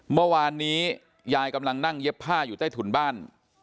เมื่อวานนี้ยายกำลังนั่งเย็บผ้าอยู่ใต้ถุนบ้าน